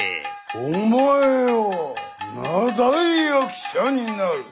お前は名題役者になる。